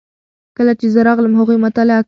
کله چې زه راغلم هغوی مطالعه کوله.